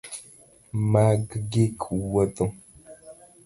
Mag gik wuotho